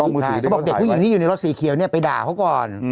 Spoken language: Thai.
ใช่เขาบอกเด็กผู้หญิงที่อยู่ในรถสีเขียวเนี่ยไปด่าเขาก่อน